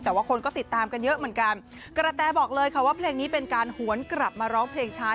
แต่ว่าคนก็ติดตามกันเยอะเหมือนกันกระแตบอกเลยค่ะว่าเพลงนี้เป็นการหวนกลับมาร้องเพลงช้า